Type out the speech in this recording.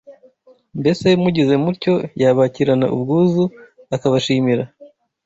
Mbese mugize mutyo yabakirana ubwuzu akabashimira?